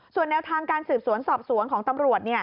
ส่วนแนวทางการสืบสวนสอบสวนของตำรวจ